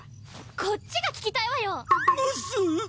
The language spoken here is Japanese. こっちが聞きたいわよ！モス。